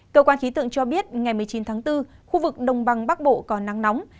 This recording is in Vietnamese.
cơ quan khí tượng cho biết ngày một mươi chín tháng bốn khu vực đồng bằng bắc bộ có nắng nóng